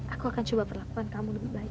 aku akan coba perlakukan kamu lebih baik